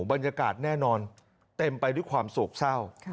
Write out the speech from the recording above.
บรรยากาศแน่นอนเต็มไปด้วยความโศกเศร้า